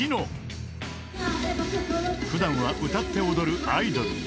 ［普段は歌って踊るアイドル］